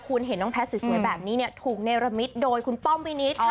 คุณเห็นน้องแพลทสวยแบบนี้ซึ่งถูกเรียบรรมิตฯโดยคุณป้อมเปรี้นิต